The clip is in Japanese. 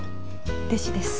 弟子です。